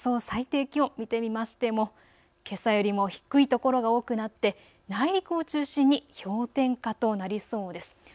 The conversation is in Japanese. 最低気温を見てみましてもけさよりも低いところが多くなって、内陸を中心に氷点下となりそうです。